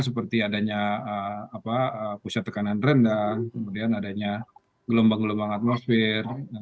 seperti adanya pusat tekanan rendah kemudian adanya gelombang gelombang atmosfer